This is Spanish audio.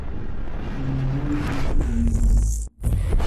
En el amor es lento, pero inseguro.